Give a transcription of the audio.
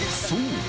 そう！